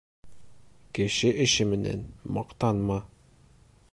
— Кеше эше менән маҡтанма.